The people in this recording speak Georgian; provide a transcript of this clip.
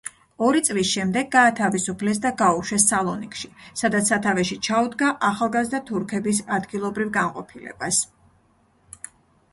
ორი წლის შემდეგ გაათავისუფლეს და გაუშვეს სალონიკში, სადაც სათავეში ჩაუდგა ახალგაზრდა თურქების ადგილობრივ განყოფილებას.